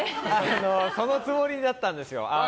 そのつもりだったんですよ。